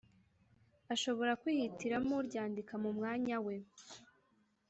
ashobora kwihitiramo uryandika mu mwanya we